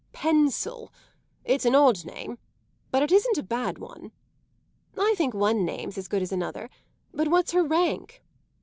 "Pensil. It's an odd name, but it isn't a bad one." "I think one name's as good as another. But what's her rank?".